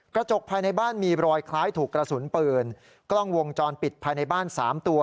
กระจกภายในบ้านมีรอยคล้ายถูกกระสุนปืนกล้องวงจรปิดภายในบ้านสามตัว